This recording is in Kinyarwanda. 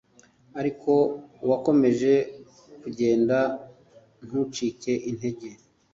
ariko wakomeje kugenda ntucike intege